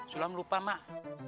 sulam lupa mak